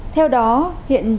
theo đó hiện trường